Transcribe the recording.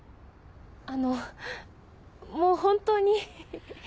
あのもう本当に。